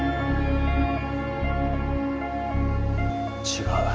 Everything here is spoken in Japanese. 違う。